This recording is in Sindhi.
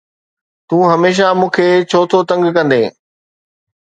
تون هميشه مون کي ڇو ٿو تنگ ڪندين؟